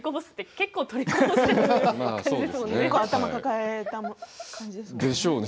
結構頭抱えた感じですもんね。